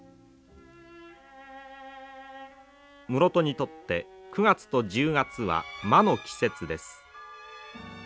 室戸にとって９月と１０月は魔の季節です。